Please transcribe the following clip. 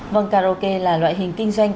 vâng karaoke là loại hình kinh doanh